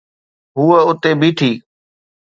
هوءَ اٿي بيٺي.